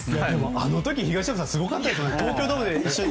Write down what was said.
あの時、東山さんすごかったですよね。